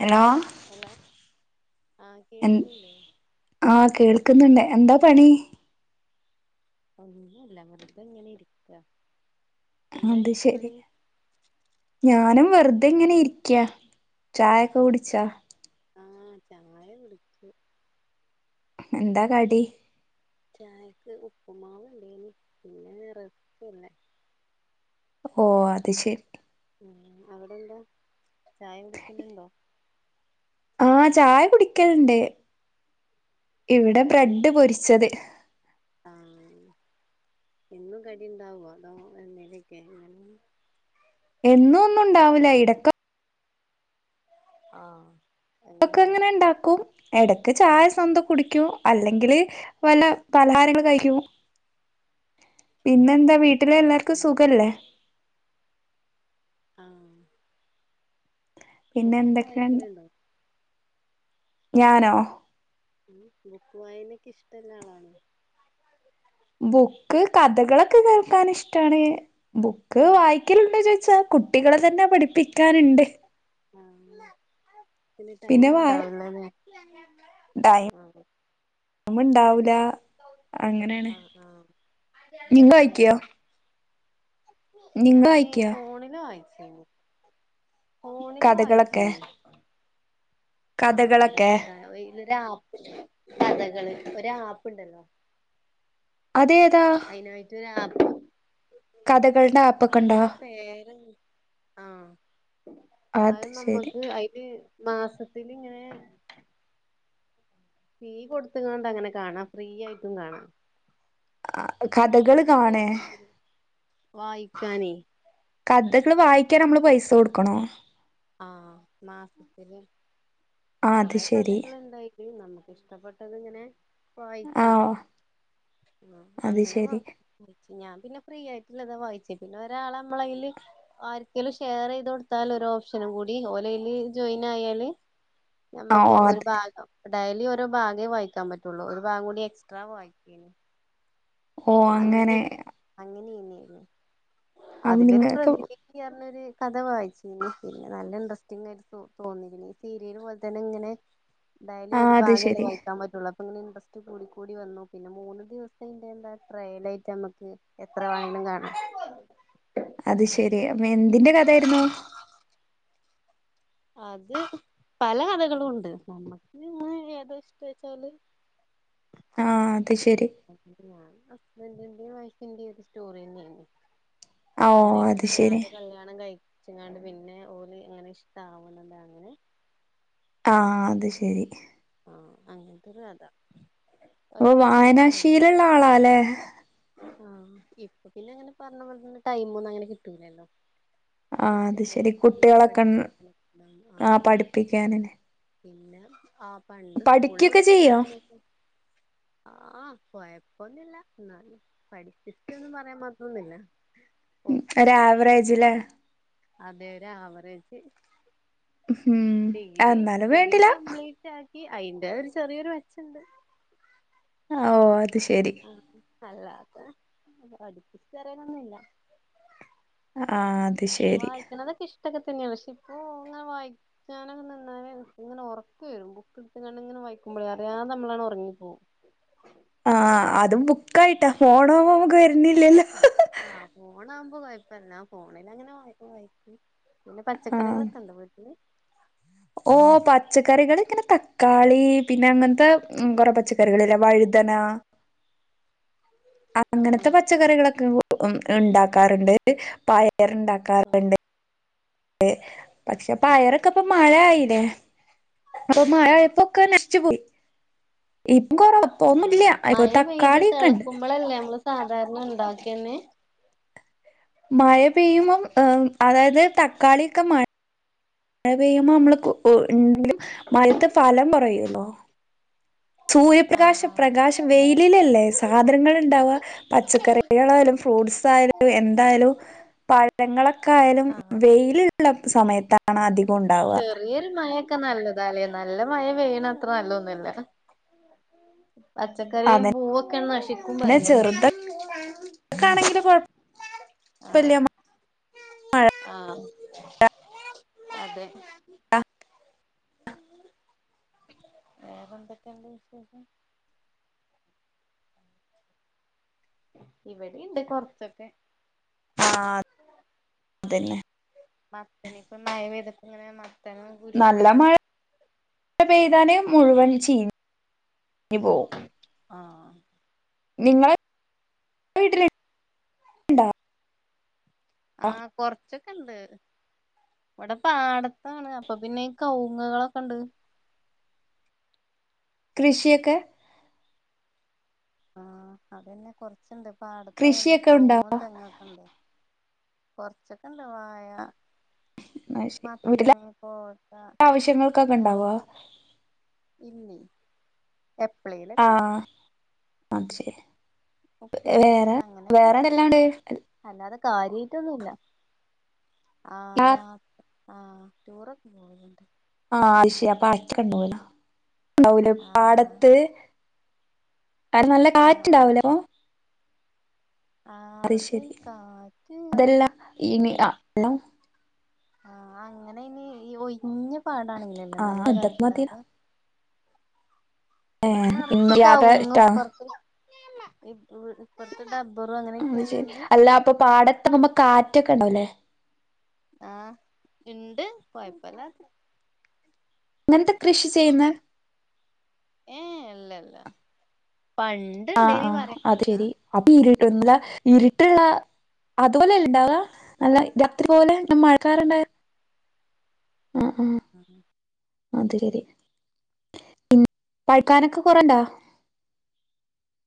Hello hello ആഹ് കേക്കുന്നില്ലേ? ആഹ കേൾക്കുന്നുണ്ട് എന്താ പണി ഒന്നുല്ല വെറുതെ ഇങ്ങനെ ഇരിപ്പാ അത് ശെരി ഞാനും വെറുതെ ഇങ്ങനെ ഇരിക്കാ ആഹ്‌ ശരി ആഹ്‌ ചായ കുടിച്ചു എന്താ കടി ചായക്ക് ഉപ്പുമാവ് ഇണ്ടേന് പിന്നെ റെസ്ക്കും ഓഹ്‌ അത് ശരി ഉം അവിടെന്താ ചായ കുടിക്കുലുണ്ടോ ആഹ് ചായ കുടിക്കലുണ്ട് ഇവിടെ കടി ബ്രെഡ് പൊരിച്ചത് ആഹ് എന്നും കടി ഉണ്ടാവോ അതോ എനേലക്കെ എന്നും ഒന്നും ഉണ്ടാവില്ല ഇടക്ക ആഹ് ഇതൊക്കെ അങ്ങനെല്ലേ ങ്ങനെ ഉണ്ടാക്കും ഇടക്ക് ചായ ആഹ് സ്വന്തം കുടിക്കും അല്ലെങ്കില് വല്ല പലഹാരങ്ങൾ കഴിക്കൂ പിന്നെന്താ ആഹ് വീട്ടിലെ എല്ലാർക്കും ഉം സുഖല്ലേ ആഹ് പിന്നെ ബുക്കൊക്കെ എന്തൊക്കെയ വായിക്കൽ ഉണ്ടോ ഞാനോ ബുക്ക് വായനക്ക ഇഷ്ള്ള ആളാണോ ബുക്ക് കഥകളൊക്കെ കേൾക്കാൻ ഇഷ്ടാണ് ബുക്ക് ഉം വായിക്ക ഒരിക്കലുണ്ട ചോദിച്ചാ കുട്ടികളെ തന്നെ പഠിപ്പിക്കാണ്ട് ആ പിന്നെ ടൈം ഉണ്ടാവുല ആ അമ്മ ഇണ്ടാവെല അങ്ങനെയാണ് ആഹ് ആഹ് നിങ്ങ കഴക്കിയോ ഞാന വായിക്കോ ഫോണില് വായിച്ചന് ഫോണില് കഥകളൊക്കെ വായിച്ചന് ആഹ് ഒരു കഥകളൊക്കെ കഥ ഇലൊ ആപ്പ് കഥകള് ഒരു ആപ്പ് ഉണ്ടല്ലോ അതെതാ അതിനായിട്ട് ഒരു ആപ്പ് കഥകളുടെ ആപ്പൊക്കെ ഉണ്ടോ പേരന്ത് ആഹ് അത് നമ്മുക്ക് അയില് മാസത്തിൽ ഇങ്ങനെ ഫീ കൊടുത്തത് കൊണ്ട് അങ്ങനെ കാണാം ഫ്രീ ആയിട്ടും കാണാം ആ ഞാൻ കഥകൾ ഇങ്ങനെ ഫ്രീ കാണേ ആയിട്ടില്ല വായിക്കാനേ കഥകള് വായിക്കാൻ നമ്മള് പൈസ കൊടുക്കണോ ആഹ മാസത്തില് ആ അത് കേറെ ശരി കഥകൾ ഉണ്ടായി നമ്മുക്ക്ഷ്ടപ്പെട്ടത് ഇങ്ങനെ ആ വായിച്ചാ അത് അങ്ങനെ വ ശരി ഞാൻ പിന്നെ ഫ്രീ ആയിട്ടുള്ളതാ വായിച്ചേ പിന്നെ ഒരാൾെ നമ്മളയില് ആർക്കെങ്കിലും ഷെയർ ചെയ്തത് കൊടുത്താൽ ഒരു ഓപ്ഷനും കൂടി ഓലയില് ജോയിൻ ആയാല് ആ നമ്മക്ക് ഓ ഒരു അത് ഭാഗം ഡെയിലിഓരോ ഭാഗേ വായിക്കാൻ പറ്റുള്ളൂ ഒരു ഭാഗം കൂടി എക്സ്ട്രാ വായിക്കന് ഓ അങ്ങനെ അങ്ങനെയ്യ് അതിന്റെരു നിങ്ങക്ക് പ്രതി ഈ പറഞ്ഞൊ ഒരു കഥ വായിചിനി നല്ല ഇൻട്രസ്റ്റിങ് ആയി് തോന്നിന് ഈ സീരിയൽ പോലെ തന്നെ ങ്ങനെ [inaudible] എന്തായാല ആ ഒരു അത് ഭാഗല്ലേ ശരി വായിക്കാൻ പറ്റുള്ളൂ അപ്പൊ ഇങ്ങെ ഇൻട്രസ്റ്റ് കൂട കൂടി വന്നു പിന്നെ മൂന്ന് ദിവസത്തിറെ എന്ത ട്രയലായിട്ട് നമ്മക്ക് എത്ര വാണലും കാണാം അത് അങ്ങനെ ശെരി അ എന്തിന്റെ കഥായിരുന്നു അത് പല കഥകളുംണ്ട് നമ്മുക്ക് ഏതാ ഇഷ്ടം വെച്ചാല് ആഹ അത് ശരി ഞൻ ഹസ്ബന്റിന്റെയും വൈഫിന്റെ ഒരു സ്റ്റോറി തന്നെയെനി ആഹ് അങ്ങനെ ഓഹ് അത് ശെരി ഇഷ്ടല്ലാത കല്യാണം കഴി ച്ചങ്ങാണ്ട് പിന്നെ ഓൽഅങ്ങനെ ഇഷ്ടം ആാവുന്നതാ ആഹ് അത് ശരി ആഹ് അങ്ങനത്തെൊരു കഥ ഓഹ് കൊഴപ്പൊന്നുല്ല നല്ല കഥ വായനാശീലുള്ള ആളാല്ലേ ആഹ് ഇപ്പൊ പിന്നെ അങ്ങനെ പറഞ്ഞ പോലെ തന്നെ ടൈമൊന്നും അങ്ങനെ കിട്ടൂലല്ലോ ആഹ് അത് കുട്ടികളെ ശെരി നിന്ന് കുട്ടികളൊക്കെ പഠിപ്പിക്കാനൊക്കെണ്ടാവും ആ ആഹ് പഠിപ്പിക്കാനല്ലേ പിന്നെ ആ പണ്ട് സ്കൂളില് പഠിക്കൊക്കെ ചെയ്യോ പഠിച്ചണന്നക്കെ ആഹ് കൊയിപ്പോന്നുല്ല ന്നാലും പഠിച്ചിട്ട് ഒന്നും പറയാൻ മാത്രന്നില്ല ഒക്കെ ഒരു ആവറേജല്ലേ അതേ ഒരു ആവറേജ് ഉം ആ, ഡിഗ്രി എന്നാലും ഡിഗ്രി വേണ്ടില്ല കംപ്ലീറ്റ് ആക്കി അയിന്റെ ഒരു ചെറിയൊരു മെച്ചുണ്ട് ഓഹ് അത് ശരി അല്ലാതെ പഠിപ്പിച്ച് തരയാനൊന്നുമില്ല ആഹ് അത് ശെരി വായിക്കണതൊക്കെ ഇഷ്ടൊക്കെ തന്നെയാ പക്ഷെ ഇപ്പൊ അങ്ങനെ വായി ഞാനങ്ങ നിന്നാലെ ഇങ്ങനെ ഉറക്ക വരും ബുക്ക് എടുത്ത് കാണ്ട് ഇങ്ങനെ വായിക്കുമ്പോളേ അറിയതെ നമ്മളാണ് ഉറങ്ങിപ്പോകും ആഹ് അതും ബുക്കായിട്ടാ ഫോണ് ആവുമ്പോ അപ്പൊ ആഹ് ഫോണ് ആകുമ്പോ കുഴപ്പല്ല ഫോണിൽ അങ്ങനെ വായിക്കും പിന്നെ ആഹ് പച്ചക്കറികളൊക്കെ ഉണ്ടോ വീട്ടില് ഓഹ് പച്ചക്കറികൾ ഇങ്ങനെ തക്കാളി പിന്നെ അങ്ങനത്തെ കൊറെ പച്ചക്കറികൾല്ല വഴുതന അങ്ങനത്തെ ആഹ് പച്ചക്കറികളൊക്കെ ഉണ്ടാക്കാറുണ്ട് പയർ ആഹ് ഉണ്ടാക്കാറുണ്ട് പക്ഷെ പയറൊക്കെപ്പം മഴ ആയില്ലേ അപ്പൊ മഴ ആയപ്പൊക്കെ നശിച്ചുപോയി ഇപ്പം കൊറവാ ഇപ്പ ഒന്നില്ല ഇപ്പൊ തക്കാളിയൊക്കെണ്ട് ഇപ്പോളല്ലേ നമ്മള് സാധാരണ ഉണ്ടാക്കിന്നെ മഴ പെയ്യുമ്പം അതായത് തക്കാളിയൊക്കെ മ മഴ പെയ്യുമ്പോ നമ്മള് ഉ മഴത്തെ ഫലം കുറയലോ ആഹ് സൂര്യപ്രകാശ ആഹ് പ്രകാശ വെയിലിലല്ലേ സാധനങ്ങൾ ഉണ്ടാവാുക പച്ചക്കറികളായാലും ഫ്രൂട്ട്സ് ആയാലും എന്തായാലും പഴങ്ങളൊക്കെ ആയാലും ആഹ് വെയില്ള്ള സമയത്താ ണ് അധികൊം ഇണ്ടാ ചെറിയെര് മഴെക്കെ നല്ലതാല്ലേ നല്ല മഴ പെയ്യ്ണ അത്ര നല്ലൊന്നല്ല പച്ചക്കറിയും അതെ പൂവൊക്കെ നശിക്കും പറിമ്പള് ട്ടാണെങ്കിലും കൊഴപ്പല്ല മ ആഹ് അതെ വേറെന്തൊക്കേണ്ട് വിശേഷം ഇവടീണ്ട് കൊറ്ച്ചൊക്കെ ആഹ് അതന്നെ മത്തനിപ്പം മഴ പെയ്ത്ട്ട് ഇങ്ങനെ മത്തനും കുരുവൊക്കെ ഴ പെയ്താല് മുഴുവൻ ചീഞ്ഞ് പോവും ആഹ് നിങ്ങളെ വീട്ടില് ആഹ് കൊറ ച്ചൊക്കെണ്ട് ഇവടെ പാടത്താണ് അപ്പൊ പിന്നെ ഈ കവുങ്ങ്കളൊക്കെണ്ട് കൃഷിയൊക്കെ ആഹ് അതന്നെ കൊറച്ച്ണ്ട് പാടത്തായോണ്ടെ കൃഷിയൊക്കെ ഉണ്ടാ കവുങ്ങും തെങ്ങൊക്കെണ്ട് കൊറച്ചൊക്കെണ്ട് വാഴ വീട്ടിലെ മത്തന്, കോവക്ക, ആവശ്യങ്ങൾക്കൊക്കെ ഉണ്ടാവോ മൊളക് ഇല്ലേ എപ്പളേലും ആഹ് അത് ശരി വേറെ ഉപ്പേരിക്കാറ് അങ്ങനെയൊക്കെ വേറെ എന്തെല്ലാണ്ട് അല്ലാതെ കാര്യായ്ട്ടൊന്നുല്ല ആഹ് ആ യാ ആഹ് ടൂറൊക്ക പോവല്ണ്ട് ആഹ് അത് ശരി അപ്പ അട്ക്കണ്ടാവല്ലൊ ഇണ്ടാവൂലെ ആഹ് പാടത്ത് ആടെ നല്ല ആഹ് കാറ്റ് ആഹ് ഇണ്ടാവുലേ അപ്പോ ആഹ് അത് ശരി കാറ്റ് അതെല്ലാ ഇനി എന്ത് ആഹ് [unintelligible] ആഹ് അങ്ങനയിന് ഈ ഒയ്ഞ്ഞ പാടാണെങ്കിലല്ലേ ആ നല്ല അതൊക്കെ കാറ്റ് മതിയല്ലോ ഇണ്ടാവാ ഏ ഇത് നറച്ച് ഇന്ന് യാത്ര കവുങ്ങും ഇഷ്ടാ ഇപ്പർത്ത് ഇപ്പൊ ഇപ്പർത്ത് ഡബ്ബറും അങ്ങനെ ഉം അയ് ശരി അല്ലാ അപ്പൊ പാടത്താവുമ്പം കാറ്റൊക്കെ ഇണ്ടാവുല്ലേ? ആഹ് ഇണ്ട് കൊഴപ്പല്ലാത് [unintelligible] കൃഷി ചെയ്യുന്നെ ഏഹ് ഇല്ലല്ല പണ്ട് ആഹ് ഇണ്ടേനി ആഹ് അത് പറിണേക്കാ ശരി അപ്പൊ ഇരിട്ടൊന്ന്ല്ല ഇരിട്ട്ള്ള അത്പോലെയല്ലേ ഇണ്ടാവാ? നല്ല രാത്രി പോലെ [unintelligible] മഴക്കാർണ്ടായാ ആഹ് ആഹ് [inaudible] അതെ രീതി [unintelligible] പഴ്ക്കാനെക്കെ കൊറേണ്ടോ